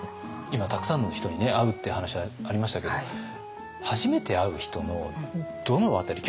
今たくさんの人に会うって話がありましたけども初めて会う人のどの辺り。